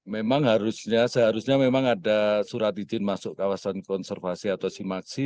memang seharusnya ada surat izin masuk ke kawasan konservasi atau simaksi